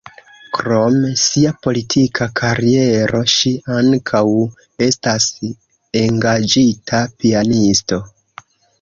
Krom sia politika kariero, ŝi ankaŭ estas engaĝita pianisto.